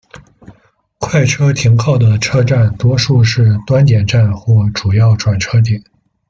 快车停靠的车站多数是端点站或主要转车点。